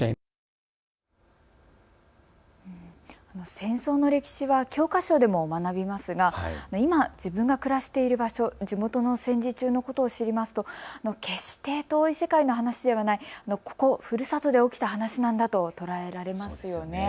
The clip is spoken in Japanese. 戦争の歴史は教科書でも学びますが、今自分が暮らしている場所、地元の戦時中のことを知りますと決して遠い世界の話ではないここふるさとで起きた話なんだと捉えられますよね。